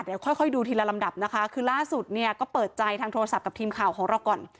เดี๋ยวค่อยค่อยดูทีละลำดับนะคะคือล่าสุดเนี่ยก็เปิดใจทางโทรศัพท์กับทีมข่าวของเราก่อน